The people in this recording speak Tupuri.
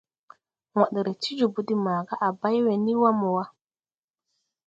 Wããd ree ti jòbō de màgà à bày wɛ ni wa mo wa.